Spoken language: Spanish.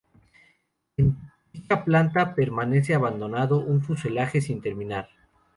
En dicha planta permanece abandonado un fuselaje sin terminar.